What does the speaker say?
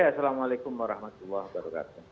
assalamualaikum warahmatullahi wabarakatuh